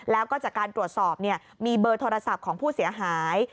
แล้วก็จากการตรวจสอบมีเบอร์โทรศัพท์ของผู้เสียหาย